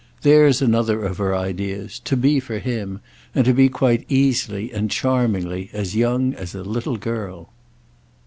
That's another of her ideas; to be for him, and to be quite easily and charmingly, as young as a little girl."